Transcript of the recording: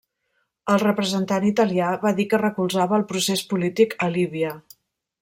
El representant italià va dir que recolzava el procés polític a Líbia.